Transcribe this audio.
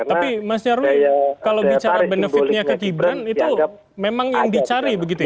tapi mas nyarwi kalau bicara benefitnya ke gibran itu memang yang dicari begitu ya